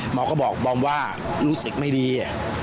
หมอก็บอกบอมว่ารู้สึกไม่ดี